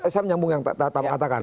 saya nyambung yang tadi katakan